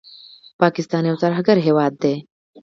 پاکستان یو ترهګر هېواد دی